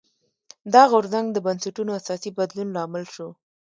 دا غورځنګ د بنسټونو اساسي بدلون لامل شو.